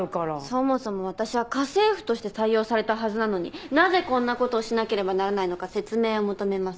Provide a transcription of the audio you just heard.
そもそも私は家政婦として採用されたはずなのになぜこんな事をしなければならないのか説明を求めます。